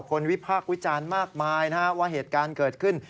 วิพากษ์วิจารณ์มากมายนะฮะว่าเหตุการณ์เกิดขึ้น